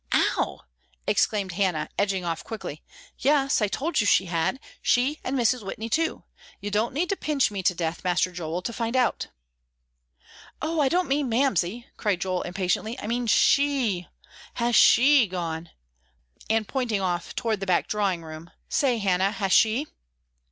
"Ow!" exclaimed Hannah, edging off quickly. "Yes, I told you she had; she and Mrs. Whitney, too. You don't need to pinch me to death, Master Joel, to find out." "Oh, I don't mean Mamsie," cried Joel, impatiently. "I mean she, has she gone?" and pointing off toward the back drawing room, "Say, Hannah, has she?"